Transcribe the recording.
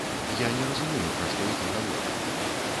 Я не разумею, пра што ідзе гаворка.